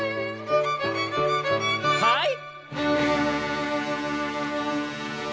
はい！